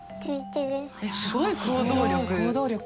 えっすごい行動力！